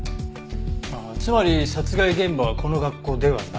ああつまり殺害現場はこの学校ではない。